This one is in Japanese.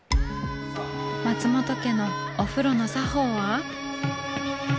松本家のお風呂の作法は。